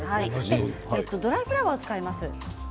ドライフラワーを使います。